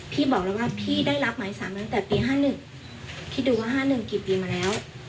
พี่บอกแล้วว่าพี่ได้รับหมายสารมาตั้งแต่ปี๕๑พี่ดูว่า๕๑กี่ปีมาแล้ว